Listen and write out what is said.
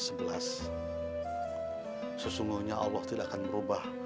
sesungguhnya allah tidak akan berubah